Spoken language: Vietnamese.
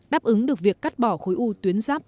đáp ứng được việc cắt bỏ khối u tuyến giáp